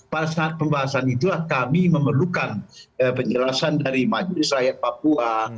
pada saat pembahasan itulah kami memerlukan penjelasan dari majelis rakyat papua